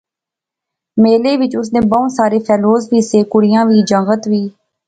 میلے وچ اس نے بہت سارے فیلوز وی سے، کڑئیاں وی، جنگت وی